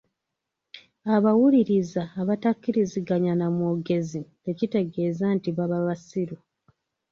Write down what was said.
Abawuliriza abatakkiriziganya na mwogezi tekitegeeza nti baba basiru.